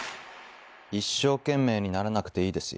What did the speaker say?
一生懸命にならなくていいですよ。